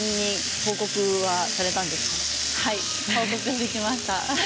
報告してきました。